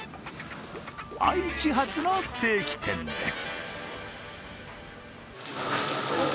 愛知発のステーキ店です。